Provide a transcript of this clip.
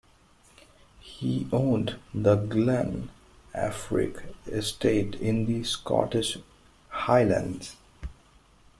He owned the Glen Affric Estate in the Scottish Highlands.